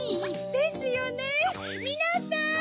ですよねみなさん！